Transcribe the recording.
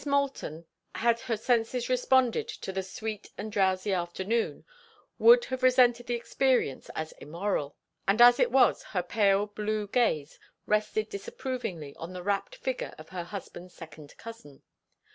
Moulton, had her senses responded to the sweet and drowsy afternoon, would have resented the experience as immoral; and as it was her pale blue gaze rested disapprovingly on the rapt figure of her husband's second cousin.